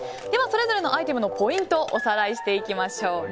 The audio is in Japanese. ではそれぞれのアイテムのポイントをおさらいしていきましょう。